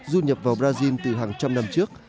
du nhập vào brazil từ hàng trăm năm trước